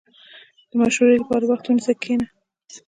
• د مشورې لپاره وخت ونیسه، کښېنه.